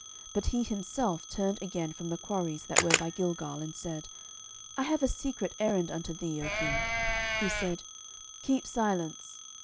07:003:019 But he himself turned again from the quarries that were by Gilgal, and said, I have a secret errand unto thee, O king: who said, Keep silence.